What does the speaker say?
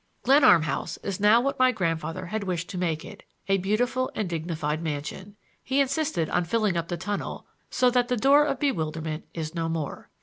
Glenarm House is now what my grandfather had wished to make it, a beautiful and dignified mansion. He insisted on filling up the tunnel, so that the Door of Bewilderment is no more.